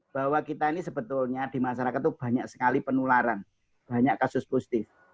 bahwa kita ini sebetulnya di masyarakat itu banyak sekali penularan banyak kasus positif